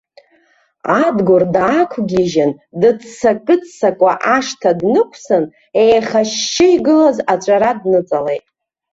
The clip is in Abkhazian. Адгәыр даақәгьежьын, дыццакы-ццакуа ашҭа днықәсын, еихашьшьы игылаз аҵәара дныҵалеит.